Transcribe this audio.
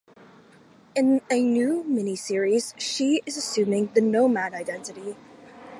In a new miniseries she is assuming the Nomad identity.